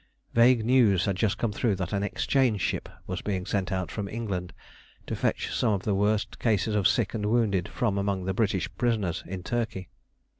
Vague news had just come through that an exchange ship was being sent out from England to fetch some of the worst cases of sick and wounded from among the British prisoners in Turkey.